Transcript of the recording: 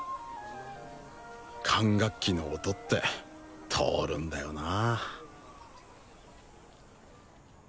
管楽器の音って通るんだよな